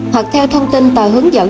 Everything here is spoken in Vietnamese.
hoặc theo thông tin tờ hướng dẫn